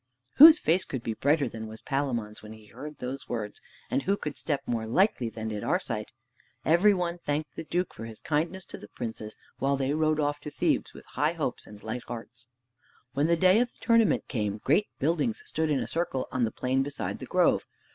Whose face could be brighter than was Palamon's when he heard those words, and who could step more lightly than did Arcite? Every one thanked the Duke for his kindness to the princes, while they rode off to Thebes with high hopes and light hearts. When the day of the tournament came, great buildings stood in a circle on the plain beside the grove.